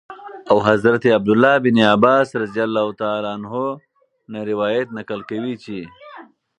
او حضرت عبدالله بن عباس رضي الله تعالى عنهم نه روايت نقل كوي چې :